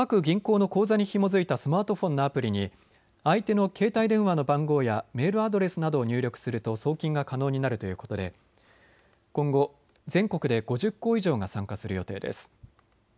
各銀行の口座にひもづいたスマートフォンのアプリに相手の携帯電話の番号やメールアドレスなどを入力すると送金が可能になるということで、今後全国で５０行以上が参加する予定です。